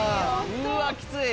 うわきつい！